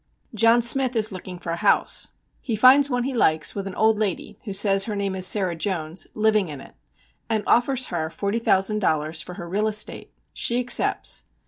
John Smith is looking for a house. He finds one he likes with an old lady, who says her name is Sarah Jones, living in it, and offers her forty thousand dollars for her real estate. She accepts.